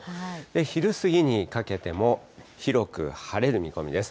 昼過ぎにかけても、広く晴れる見込みです。